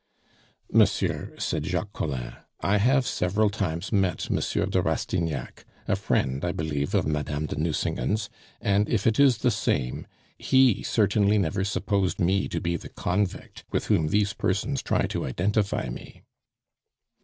"Monsieur," said Jacques Collin, "I have several times met Monsieur de Rastignac, a friend, I believe, of Madame de Nucingen's; and if it is the same, he certainly never supposed me to be the convict with whom these persons try to identify me."